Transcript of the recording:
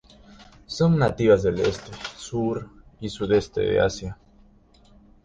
Son nativas del este, sur y sudeste de Asia.